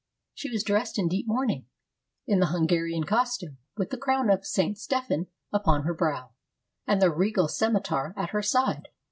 She was dressed in deep mourning, in the Hun garian costume, with the crown of St. Stephen upon her brow, and the regal scimitar at her side.